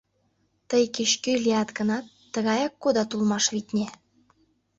Тый кеч-кӧ лият гынат, тыгаяк кодат улмаш, витне.